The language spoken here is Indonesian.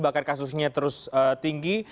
bahkan kasusnya terus tinggi